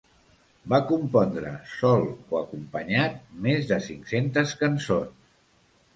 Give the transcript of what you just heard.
Va compondre, sol o acompanyat, més de cinc-centes cançons.